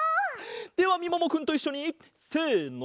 ではみももくんといっしょにせの。